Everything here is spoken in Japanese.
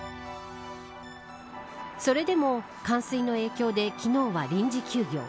それでも、冠水の影響で昨日は臨時休業。